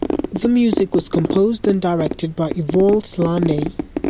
The music was composed and directed by Ivor Slaney.